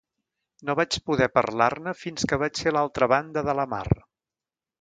No vaig poder parlar-ne fins que vaig ser a l'altra banda de la mar...